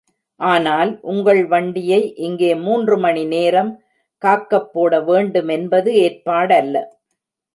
ஆனால், உங்கள் வண்டியை இங்கே மூன்று மணி நேரம் காக்கப்போட வேண்டுமென்பது ஏற்பாடல்ல.